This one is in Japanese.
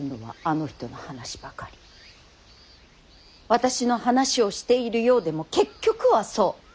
私の話をしているようでも結局はそう。